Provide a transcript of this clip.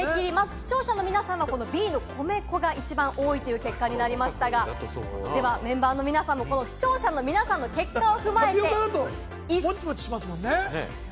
視聴者の皆さんはＢの米粉が多いという結果になりましたが、では、メンバーの皆さんも視聴者の皆さんの結果を踏まえて。